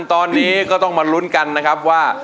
ตอนนี้ก็ต้องมาลุ้นกันนะครับว่า